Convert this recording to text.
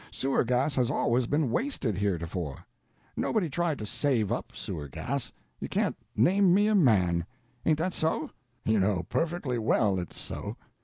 Sewer gas has always been wasted, heretofore; nobody tried to save up sewer gas—you can't name me a man. Ain't that so? you know perfectly well it's so."